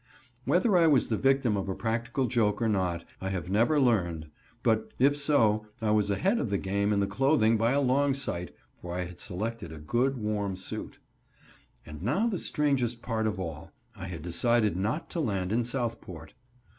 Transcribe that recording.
Whether I was the victim of a practical joke or not, I have never learned, but if so, I was ahead of the game in the clothing by a long sight, for I had selected a good, warm suit. And now the strangest part of all, I had decided not to land in Southport.